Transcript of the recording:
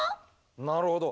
なるほど。